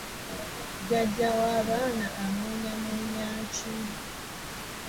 Jajja w’abaana amwenyamwenya ki?